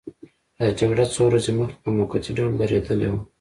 دا جګړه څو ورځې مخکې په موقتي ډول درېدلې وه.